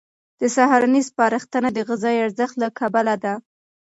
د سهارنۍ سپارښتنه د غذایي ارزښت له کبله ده.